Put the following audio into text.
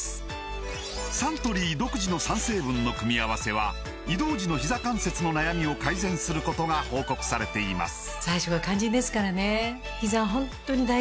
サントリー独自の３成分の組み合わせは移動時のひざ関節の悩みを改善することが報告されています